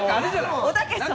おたけさん。